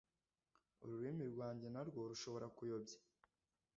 ururimi rwanjye, narwo, rushobora kuyobya,